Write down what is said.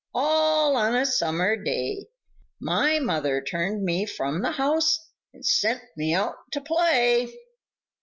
All on a summer day My mother turned me from the house and sent me out to play!"